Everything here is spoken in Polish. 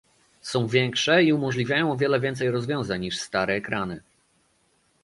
Są większe i umożliwiają o wiele więcej rozwiązań niż stare ekrany